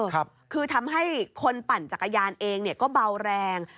คือทำให้คนปั่นจักรยานเองเนี่ยก็เบาแรง